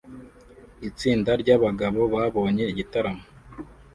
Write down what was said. Itsinda ryabagabo babonye igitaramo